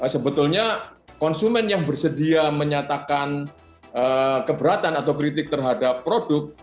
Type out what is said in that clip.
sebetulnya konsumen yang bersedia menyatakan keberatan atau kritik terhadap produk